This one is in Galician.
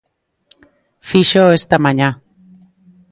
Fíxoo esta mañá.